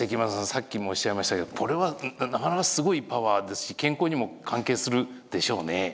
さっきもおっしゃいましたけどこれはなかなかすごいパワーですし健康にも関係するでしょうね。